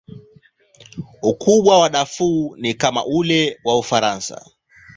Ukubwa wa Darfur ni kama ule wa Ufaransa.